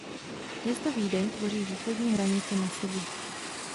Město Vídeň tvoří východní hranici masivu.